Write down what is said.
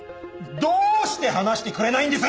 どうして話してくれないんです！？